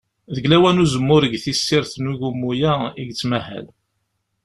Deg lawan n uzemmur deg tissirt n ugummu-a i yettmahal.